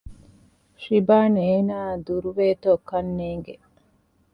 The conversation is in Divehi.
ޝިބާން އޭނާއާ ދުރުވޭތޯ ކަންނޭނގެ